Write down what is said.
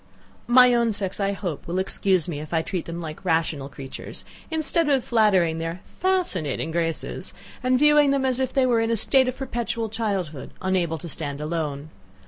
My own sex, I hope, will excuse me, if I treat them like rational creatures, instead of flattering their FASCINATING graces, and viewing them as if they were in a state of perpetual childhood, unable to stand alone.